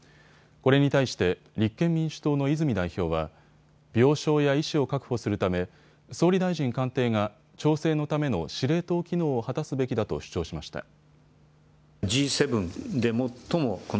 これに対して立憲民主党の泉代表は病床や医師を確保するため総理大臣官邸が調整のための司令塔機能を果たすべきだと主張しました。